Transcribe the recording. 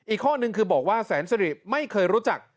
อีกข้อนึงคือบอกว่าแสนสิริไม่เคยรู้จัก